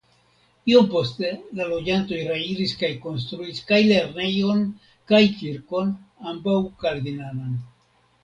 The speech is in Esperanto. Iom poste la loĝantoj reiris kaj konstruis kaj lernejon kaj kirkon (ambaŭ kalvinanan).